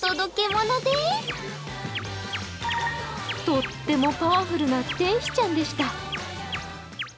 とってもパワフルな天使ちゃんでした。